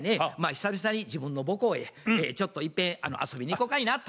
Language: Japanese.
久々に自分の母校へちょっといっぺん遊びにいこかいなと。